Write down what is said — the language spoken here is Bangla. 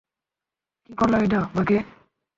কি করলা এইডা, বাকে?